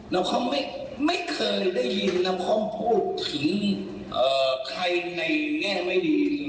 แล้วไม่เคยได้ยินพูดถึงใครในแง่ไม่ดี